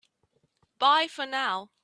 Bye for now!